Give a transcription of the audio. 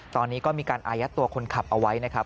ตอนนี้ก็มีการอายัดตัวคนขับเอาไว้นะครับ